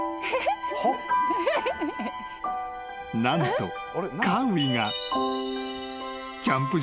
［何と］